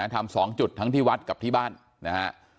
ทำ๒จุดทั้งที่วัดกับที่บ้านนะฮะ